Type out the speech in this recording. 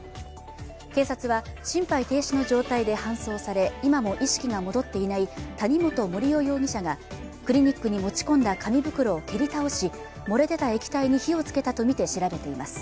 警察は心肺停止の状態で搬送され今も意識が戻っていない谷本盛雄容疑者がクリニックに持ち込んだ紙袋を蹴り倒し、漏れ出た液体に火をつけたとみて調べています。